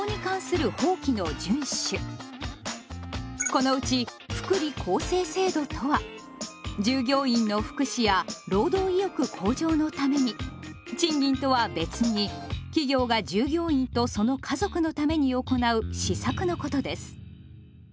このうち福利厚生制度とは従業員の福祉や労働意欲向上のために賃金とは別に企業が従業員とその家族のために行う施策のことです。